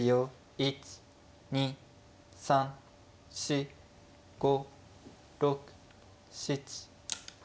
１２３４５６７８。